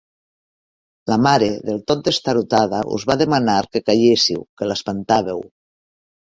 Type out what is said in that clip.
La mare, del tot destarotada, us va demanar que calléssiu, que l'espantàveu.